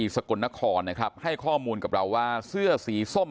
สกลนครนะครับให้ข้อมูลกับเราว่าเสื้อสีส้ม